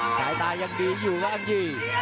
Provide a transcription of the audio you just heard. สายตายังดีอยู่ล่างยี่